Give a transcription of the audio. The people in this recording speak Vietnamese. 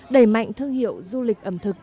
đẩy mạnh thương hiệu du lịch ẩm thực